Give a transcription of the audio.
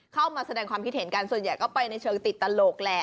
เข้ามาแสดงความคิดเห็นกันส่วนใหญ่ก็ไปในเชิงติดตลกแหละ